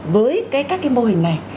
với các cái mô hình này